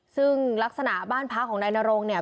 ซึ่งลักษณะบ้านพักของนายนรงเนี่ย